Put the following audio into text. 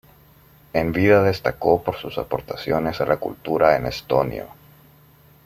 En vida destacó por sus aportaciones a la cultura en estonio.